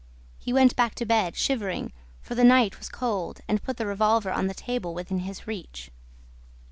He went back to bed, shivering, for the night was cold, and put the revolver on the table within his reach.